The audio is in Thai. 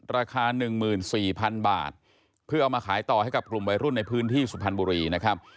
ราคา๑๔๐๐๐บาทเพื่อเอามาขายต่อให้กับกลุ่มวัยรุ่นในพื้นที่สุพรรณบุรีนะครับ